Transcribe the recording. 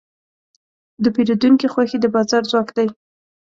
د پیرودونکي خوښي د بازار ځواک دی.